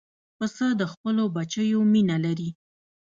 پسه د خپلو بچیو مینه لري.